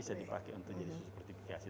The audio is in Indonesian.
ini bisa dipakai untuk jadi susu portifikasi